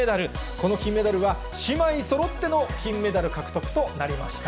この金メダルは姉妹そろっての金メダル獲得となりました。